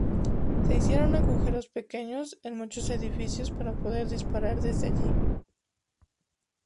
Se hicieron agujeros pequeños en muchos edificios, para poder disparar desde allí.